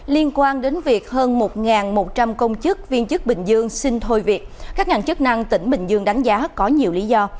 liên quan đến việc hơn một một trăm linh công chức viên chức bình dương xin thôi việc các ngành chức năng tỉnh bình dương đánh giá có nhiều lý do